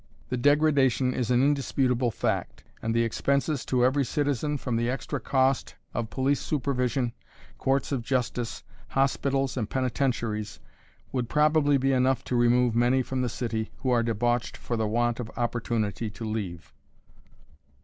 The degradation is an indisputable fact, and the expenses to every citizen from the extra cost of police supervision, courts of justice, hospitals, and penitentiaries, would probably be enough to remove many from the city who are debauched for the want of opportunity to leave.